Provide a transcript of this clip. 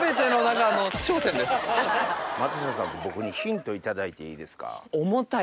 松下さんと僕にヒント頂いていいですか？